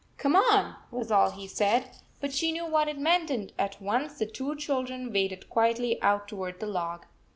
" Come on," was all he said, but she knew what it meant, and at once the two children waded quietly out toward the log.